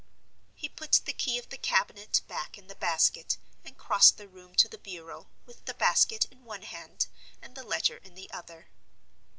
He put the key of the cabinet back in the basket, and crossed the room to the bureau, with the basket in one hand and the letter in the other.